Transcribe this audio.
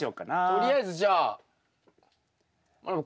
とりあえずじゃあまなぶ